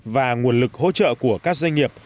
và nguồn lực hỗ trợ của các doanh nghiệp